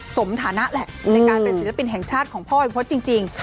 สมฐานะแหละในการเป็นศิลปินแห่งชาติของพ่อไอ้พฤษจริง